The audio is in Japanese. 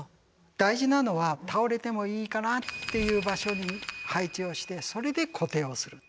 大事なのは倒れてもいいかなっていう場所に配置をしてそれで固定をする。